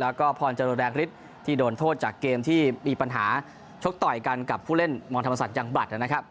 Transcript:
แล้วก็พรจรวดแรงฤทธิ์ที่โดนโทษจากเกมที่มีปัญหาชกต่อยกันกับผู้เล่นมรธรรมศักดิ์ยังบัตรนะครับ